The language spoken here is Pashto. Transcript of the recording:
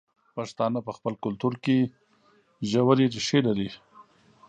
پښتانه په خپل کلتور کې ژورې ریښې لري.